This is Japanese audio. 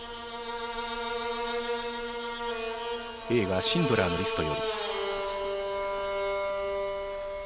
映画「シンドラーのリスト」より。